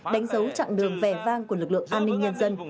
đánh dấu chặng đường vẻ vang của lực lượng an ninh nhân dân